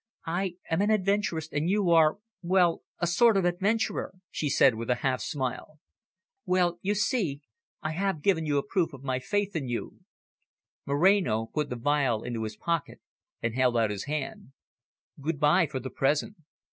"I am an adventuress, and you are well a sort of adventurer," she said, with a half smile. "Well, you see, I have given you a proof of my faith in you." Moreno put the phial into his pocket, and held out his hand. "Good bye, for the present."